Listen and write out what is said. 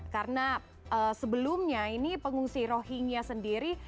karena sebelumnya ini pengungsi rohingya sendiri